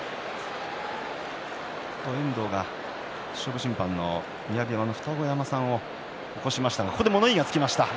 ちょっと遠藤が勝負審判の雅山の二子山さんを起こしましたがここで物言いがつきました。